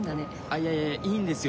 いやいやいいんですよ